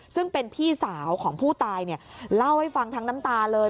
ซึ่งเป็นพี่สาวของผู้ตายเนี่ยเล่าให้ฟังทั้งน้ำตาเลย